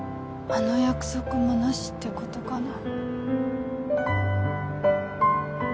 あの約束もなしってことかな